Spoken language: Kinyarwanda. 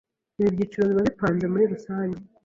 ibyo byiciro biba bipanze muri rusange